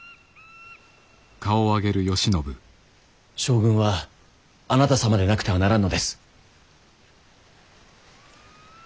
将軍はあなた様でなくてはならぬのです。